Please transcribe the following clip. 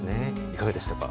いかがでしたか。